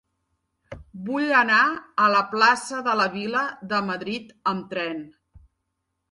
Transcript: Vull anar a la plaça de la Vila de Madrid amb tren.